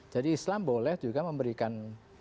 jadi islam boleh juga memberikan